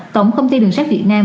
tổng công ty đường sắp việt nam